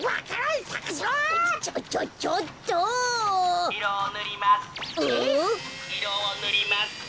いろをぬります。